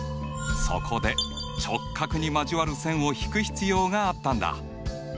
そこで直角に交わる線を引く必要があったんだ。